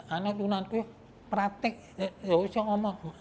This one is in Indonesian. anak anak itu praktik